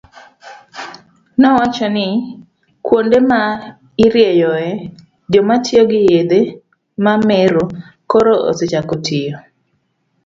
nowacho ni kuonde ma irieyoe joma tiyo gi yedhe mamero koro osechako tiyo.